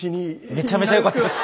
めちゃめちゃよかったです。